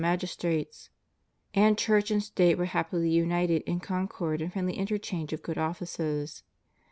119 magistrates; and Church and State were happily united in concord and friendly interchange of good offices.